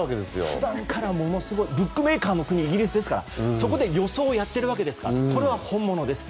普段からブックメーカーの国イギリスですからそこで予想をやっているわけですからこれは本物です。